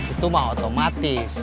itu mah otomatis